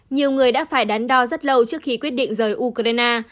nhiều người đã phải đán đo rất lâu trước khi quyết định rời ukraine